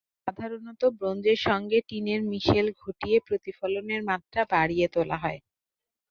সাধারণত ব্রোঞ্জের সঙ্গে টিনের মিশেল ঘটিয়ে প্রতিফলনের মাত্রা বাড়িয়ে তোলা হতো।